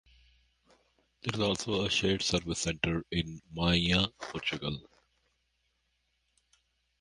There's also a Shared Service Center in Maia, Portugal.